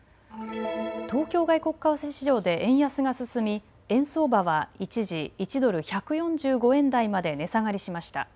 東京外国為替市場で円安が進み円相場は一時１ドル１４５円台まで値下がりしました。